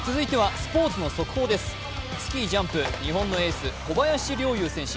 スキージャンプ、日本のエース小林陵侑選手